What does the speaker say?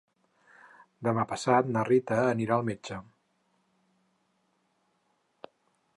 Demà passat na Rita anirà al metge.